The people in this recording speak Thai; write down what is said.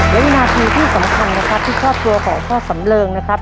และวินาทีที่สำคัญนะครับที่ครอบครัวของพ่อสำเริงนะครับ